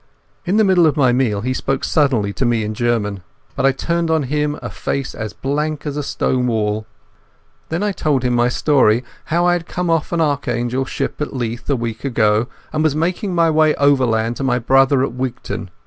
In the middle of my meal he spoke suddenly to me in German, but I turned on him a face as blank as a stone wall. Then I told him my story—how I had come off an Archangel ship at Leith a week ago, and was making my way overland to my brother at Wigtown.